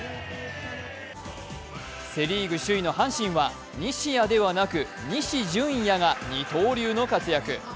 セ・リーグ首位の阪神は西矢ではなく西純矢が二刀流の活躍。